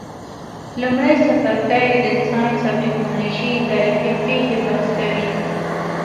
لمړی څپرکی د ساینس او تکنالوژۍ تاریخي پیښي بحث کوي.